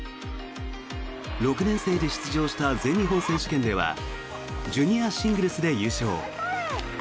６年生で出場した全日本選手権ではジュニアシングルスで優勝。